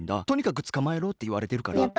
とにかくつかまえろっていわれてるから。